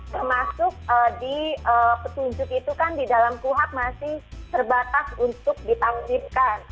termasuk di petunjuk itu kan di dalam kuhab masih terbatas untuk ditampilkan